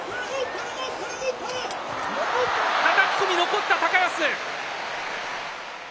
はたき込み、残った、高安。